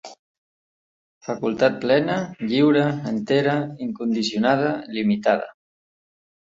Facultat plena, lliure, entera, incondicionada, limitada.